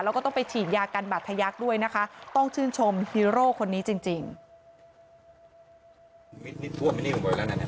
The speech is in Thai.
แล้วก็ต้องไปฉีดยากันบัตรทยักษ์ด้วยนะคะต้องชื่นชมฮีโร่คนนี้จริง